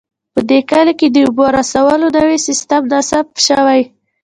په دې کلي کې د اوبو د رارسولو نوی سیستم نصب شوی